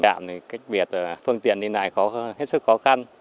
trạm thì cách biệt phương tiện đi lại hết sức khó khăn